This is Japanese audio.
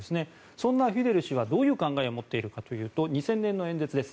そんなフィデル氏はどういう考えを持っているかというと２０００年の演説です。